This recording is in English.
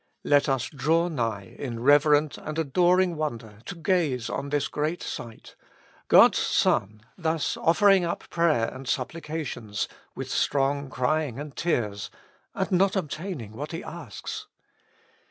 Let us draw nigh in reverent and adoring wonder, to gaze on this great sight — God's Son thus ofifering up prayer and supplications with strong crying and tears, and not obtaining what He asks.